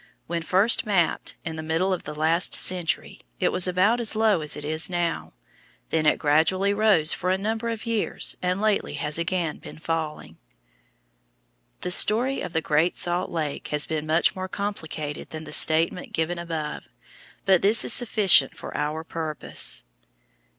When first mapped, in the middle of the last century, it was about as low as it is now. Then it gradually rose for a number of years and lately has again been falling. The story of Great Salt Lake has been much more complicated than the statement given above, but this is sufficient for our purpose.